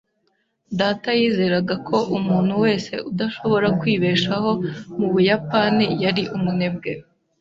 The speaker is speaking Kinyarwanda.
Data yizeraga ko umuntu wese udashobora kwibeshaho mu Buyapani yari umunebwe.